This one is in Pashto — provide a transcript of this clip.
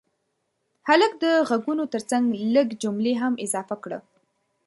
هلکه د غږونو ترڅنګ لږ جملې هم اضافه کړه.